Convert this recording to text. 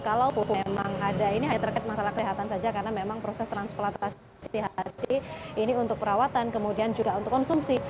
kalau memang ada ini hanya terkait masalah kesehatan saja karena memang proses transplantasi hati ini untuk perawatan kemudian juga untuk konsumsi